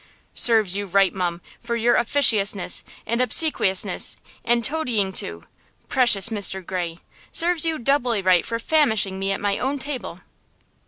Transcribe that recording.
"Serves you right, mum, for your officiousness, and obsequiousness and toadying to–precious Mr. Gray!–serves you doubly right for famishing me at my own table!"